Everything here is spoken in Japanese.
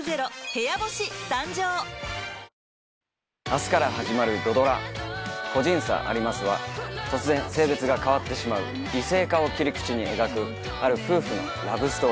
明日から始まる土ドラ『個人差あります』は突然性別が変わってしまう異性化を切り口に描くある夫婦のラブストーリーです。